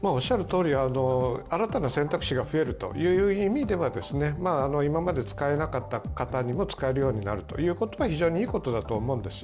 新たな選択肢が増えるという意味では今まで使えなかった方にも使えるようになるということは非常にいいことだと思うんです。